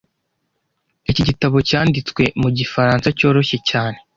Iki gitabo cyanditswe mu gifaransa cyoroshye cyane